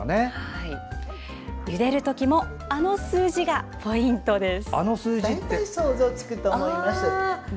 ゆでる時もあの数字がポイントです。